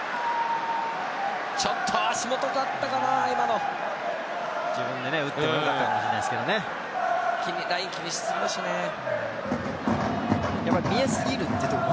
ちょっと足元だったかな、今の。